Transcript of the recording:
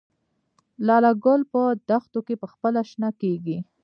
لاله ګل په دښتو کې پخپله شنه کیږي؟